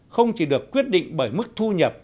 không chỉ được quyết định bởi mức thu nhập